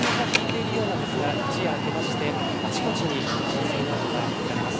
いったん水は引いているようなんですが、一夜明けまして、あちこちに浸水の跡が見られます。